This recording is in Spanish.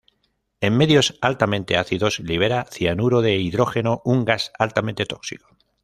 En medios altamente ácidos libera cianuro de hidrógeno, un gas altamente tóxico.